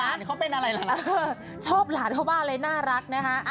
ร้านเขาเป็นอะไรหรอเออชอบหลานเขาบ้างเลยน่ารักนะฮะ